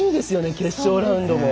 決勝ラウンドも。